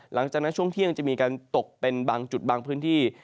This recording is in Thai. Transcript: หลังจากนั้นช่วงเที่ยงจะมีการตกเป็นบางจุดบางพื้นที่